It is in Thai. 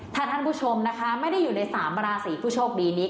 ถ้าท่านผู้ชมนะคะไม่ได้อยู่ใน๓ราศีผู้โชคดีนี้